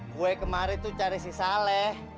gue kemarin itu cari si saleh